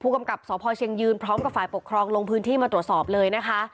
กำกับสพเชียงยืนพร้อมกับฝ่ายปกครองลงพื้นที่มาตรวจสอบเลยนะคะ